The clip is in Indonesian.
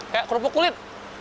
kayak kerupuk kulit